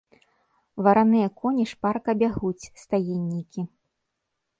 Вараныя коні шпарка бягуць, стаеннікі.